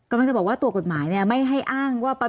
กำลังจะบอกว่าตัวกฎหมายเนี่ยไม่ให้อ้างว่า